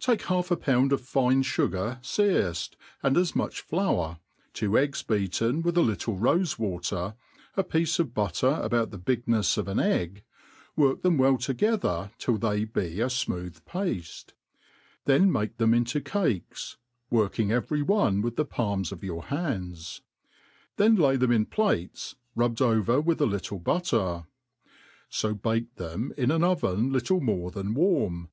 ^ TAKE kalf a pound of fine fagar fearced, and as much flaitr^ two eggs beaten with a little rofe water, a piece of butter about the bignefs of an ^gg, work them well together till they be a fmooth paSe ; then make them into cakes, working every one with the palms of your bands ; then lay them in plates, rubbed over with a little butter ; fo bake them in an oven little more than warm.